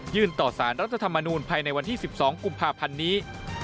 ต่อสารรัฐธรรมนูลภายในวันที่๑๒กุมภาพันธ์นี้